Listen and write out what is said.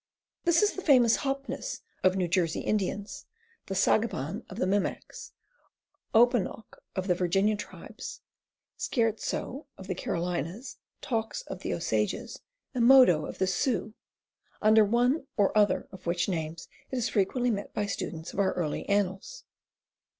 This is the famous hopniss of New Jersey Indians, the saaga ban of the Micmacs, openauk of Virginia tribes, scherzo of the Carolinas, taux of the Osages, and modo of the Sioux, under one or other of which names it is frequently met by students of our early annals.